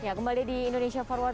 kita akan kembali di indonesia forward